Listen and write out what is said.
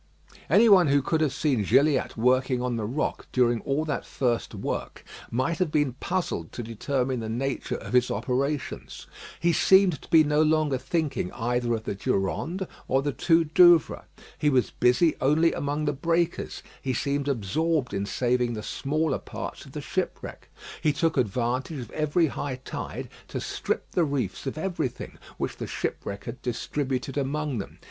Any one who could have seen Gilliatt working on the rock during all that first work might have been puzzled to determine the nature of his operations. He seemed to be no longer thinking either of the Durande or the two Douvres. He was busy only among the breakers: he seemed absorbed in saving the smaller parts of the shipwreck. He took advantage of every high tide to strip the reefs of everything which the shipwreck had distributed among them.